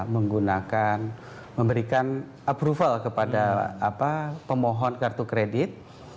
menggunakan memberikan approval kepada pemohon kartu kredit